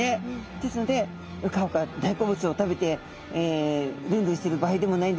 ですのでうかうか大好物を食べてるんるんしてる場合でもないんですね。